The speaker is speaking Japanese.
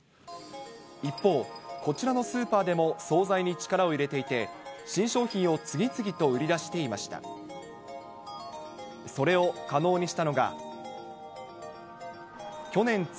一方、こちらのスーパーでも総菜に力を入れていて、新商品を次々と売り出していました。